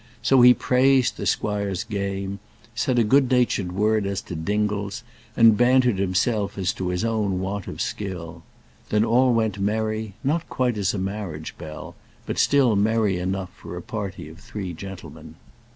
So he praised the squire's game; said a good natured word as to Dingles, and bantered himself as to his own want of skill. Then all went merry, not quite as a marriage bell; but still merry enough for a party of three gentlemen.